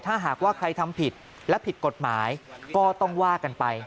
ถ้าหากว่าใครทำผิดและผิดกฎหมายก็ต้องว่ากันไป